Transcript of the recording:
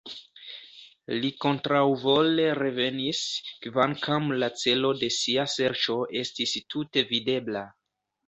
Li kontraŭvole revenis, kvankam la celo de sia serĉo estis tute videbla.